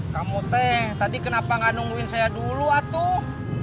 kamu teh tadi kenapa gak nungguin saya dulu atuh